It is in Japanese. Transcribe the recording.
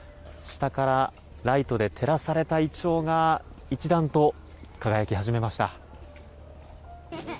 下からライトで照らされたイチョウが一段と輝き始めました。